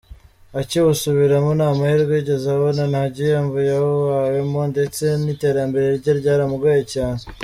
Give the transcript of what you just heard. Akiwusubiramo nta mahirwe yigeze abona, nta gihembo yawuhawemo ndetse n’iterambere rye ryaramugoye cyane.